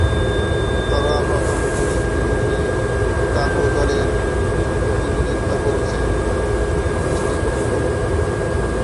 ঘরোয়া প্রথম-শ্রেণীর ক্রিকেটে ওতাগো দলের প্রতিনিধিত্ব করেছেন স্টিফেন বুক।